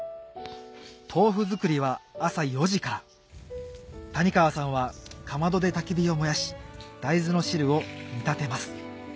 豆腐作りは朝４時から谷川さんはかまどでたき木を燃やし大豆の汁を煮立てます